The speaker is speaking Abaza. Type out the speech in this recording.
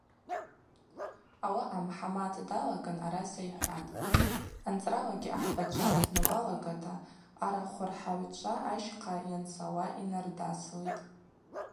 Ауаъа Мхӏамат далаган араса йхӏватӏ: – Анцӏралагьи ахӏбачва рпны уалагата арахврхӏагӏвчва ащхъа йанцауа йнардаслитӏ.